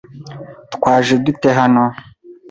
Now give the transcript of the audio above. Twaje dute hano?